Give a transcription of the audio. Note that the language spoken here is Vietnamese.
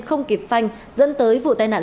không kịp phanh dẫn tới vụ tai nạn